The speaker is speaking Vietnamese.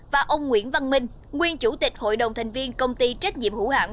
và ông nguyễn văn minh nguyên chủ tịch hội đồng thành viên công ty trách nhiệm hữu hạng